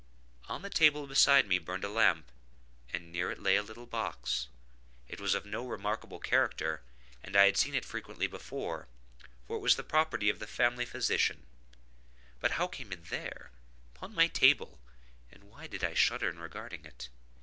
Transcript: On the table beside me burned a lamp, and near it lay a little box. It was of no remarkable character, and I had seen it frequently before, for it was the property of the family physician; but how came it there, upon my table, and why did I shudder in regarding it?